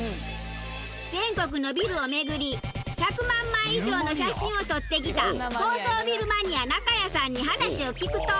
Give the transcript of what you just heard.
全国のビルを巡り１００万枚以上の写真を撮ってきた高層ビルマニア中谷さんに話を聞くと。